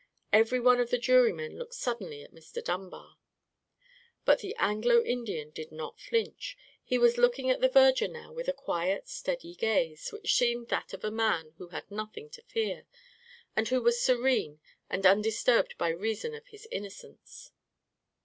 Every one of the jurymen looked suddenly at Mr. Dunbar. But the Anglo Indian did not flinch. He was looking at the verger now with a quiet steady gaze, which seemed that of a man who had nothing to fear, and who was serene and undisturbed by reason of his innocence.